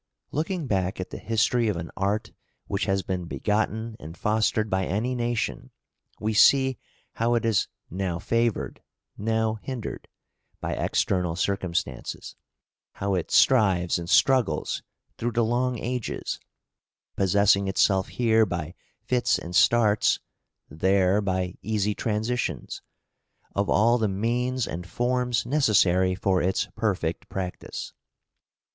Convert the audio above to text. Looking back at the history of an art which has been begotten and fostered by any nation, we see how it is now favoured, now hindered, by external circumstances, how it strives and struggles through the long ages, possessing itself here by fits and starts, there by easy transitions, of all the means and forms necessary for its perfect practice.